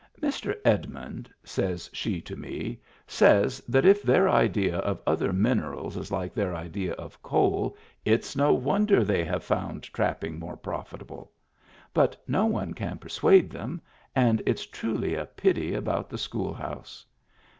" Mr. Edmund," says she to me, "says that if their idea of other minerals is like their idea of coal, it's no wonder they have found trapping more profit able. But no one can persuade them, and it's truly a pity about the school house."